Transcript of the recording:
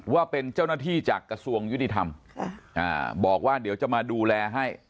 ว่าเป็นเจ้านักฐีจากกระทรวงยุธรรมค่ะอ่าบอกว่าเดี๋ยวจะมาดูแลให้